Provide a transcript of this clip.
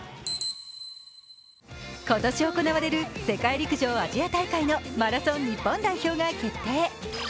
今年行われる世界陸上アジア大会のマラソン日本代表が決定。